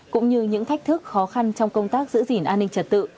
cũng như những thách thức khó khăn trong công tác giữ gìn an ninh trật tự